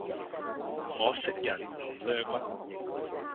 我食人唔 𦧲 骨